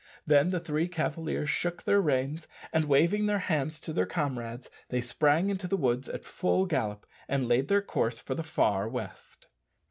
Then the three cavaliers shook their reins, and, waving their hands to their comrades, they sprang into the woods at full gallop, and laid their course for the "far west."